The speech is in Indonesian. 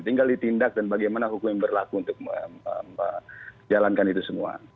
tinggal ditindak dan bagaimana hukum yang berlaku untuk menjalankan itu semua